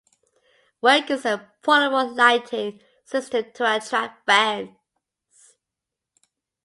Wilkinson's portable lighting system to attract fans.